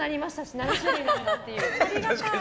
７種類あるんだっていう。